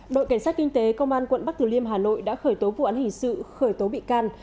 đội cảnh sát kinh tế công an quận bắc tử liêm hà nội đã khởi tố vụ án hình sự khởi tố bị can